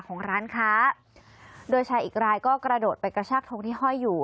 ของร้านค้าโดยชายอีกรายก็กระโดดไปกระชากทงที่ห้อยอยู่